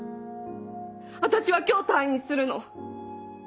私は今日退院するの。